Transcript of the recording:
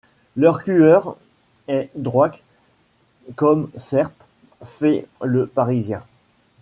Leur cueur est droict comme serpe, feit le Parisien.